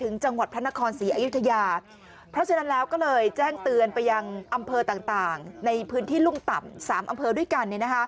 ในพื้นที่ลุ่มต่ำ๓อำเภอด้วยกัน